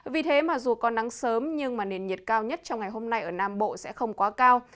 vì thế mà dù có nắng sớm nhưng mà nền nhiệt cao nhất trong ngày hôm nay ở nam bộ sẽ không quá cao